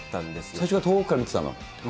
最初は遠くから見てたの？